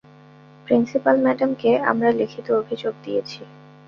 Principal ম্যাডামকে আমরা লিখিত অভিযোগ দিয়েছি।